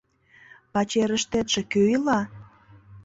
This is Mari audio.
— Пачерыштетше кӧ ила?